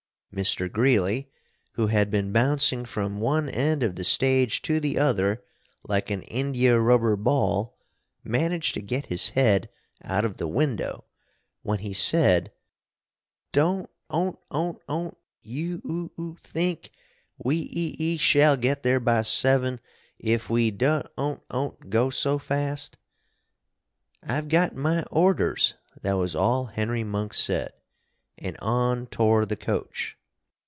Mr. Greeley, who had been bouncing from one end of the stage to the other like an India rubber ball, managed to get his head out of the window, when he said: "Do on't on't on't you u u think we e e e shall get there by seven if we do on't on't go so fast?" "I've got my orders!" That was all Henry Monk said. And on tore the coach.